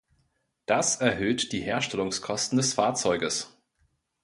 Das erhöht die Herstellungskosten des Fahrzeuges.